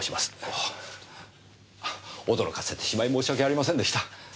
あ驚かせてしまい申し訳ありませんでした。